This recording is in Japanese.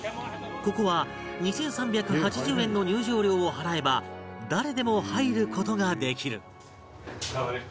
ここは２３８０円の入場料を払えば誰でも入る事ができる